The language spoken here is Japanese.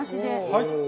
はい。